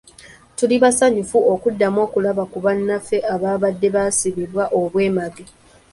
Tuli basanyufu okuddamu okulaba ku bannaffe ababadde baasibibwa obwemage.